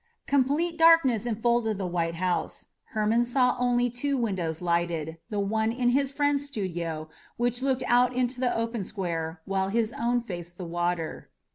Complete darkness enfolded the white house. Hermon saw only two windows lighted, the ones in his friend's studio, which looked out into the open square, while his own faced the water.